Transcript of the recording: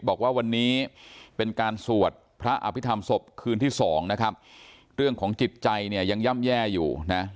บอกว่าวันนี้เป็นการสวดพระอภิษฐรรมศพคืนที่สองนะครับเรื่องของจิตใจเนี่ยยังย่ำแย่อยู่นะ